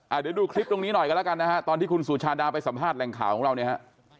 เดี๋ยวดูคลิปตรงนี้หน่อยกันแล้วกันนะฮะตอนที่คุณสุชาดาไปสัมภาษณ์แหล่งข่าวของเราเนี่ยฮะ